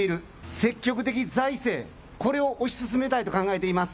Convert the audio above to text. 積極的財政、これを推し進めたいと考えています。